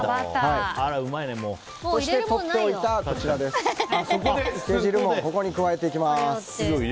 そして、とっておいた漬け汁を加えていきます。